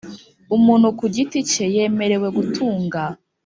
Umuntu ku giti cye yemerewe gutunga